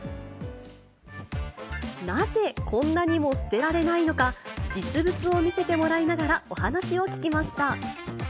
なぜこんなにも捨てられないのか、実物を見せてもらいながら、お話を聞きました。